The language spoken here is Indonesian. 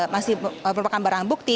masih merupakan barang bukti